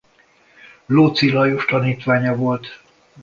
Lóczy Lajos tanítványa volt.